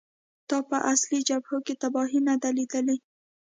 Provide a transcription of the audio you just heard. تا په اصلي جبهو کې تباهۍ نه دي لیدلې